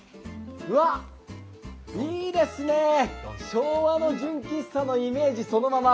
いいですね、昭和の純喫茶のイメージそのまま。